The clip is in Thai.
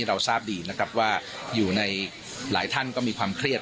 เราทราบดีนะครับว่าอยู่ในหลายท่านก็มีความเครียด